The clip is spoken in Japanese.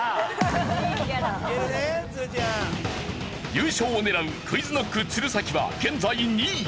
優勝を狙うＱｕｉｚＫｎｏｃｋ鶴崎は現在２位。